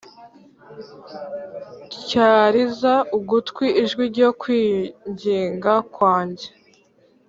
Tyariza ugutwi ijwi ryo kwinginga kwanjye